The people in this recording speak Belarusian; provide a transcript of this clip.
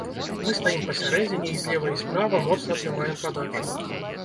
Мы стаім пасярэдзіне, і злева і справа, моцна трымаем падачу.